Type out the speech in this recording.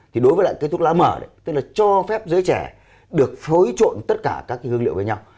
thì đối với lại cái thuốc lá mở tức là cho phép giới trẻ được phối trộn tất cả các cái hương liệu với nhau